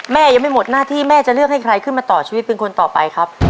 แม่ยังไม่หมดหน้าที่แม่จะเลือกให้ใครขึ้นมาต่อชีวิตเป็นคนต่อไปครับ